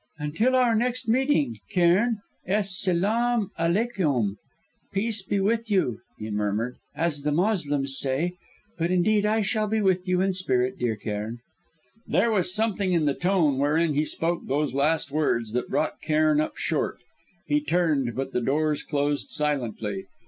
"Until our next meeting. Cairn, es selâm aleykûm!" (peace be with you) he murmured, "as the Moslems say. But indeed I shall be with you in spirit, dear Cairn." There was something in the tone wherein he spoke those last words that brought Cairn up short. He turned, but the doors closed silently.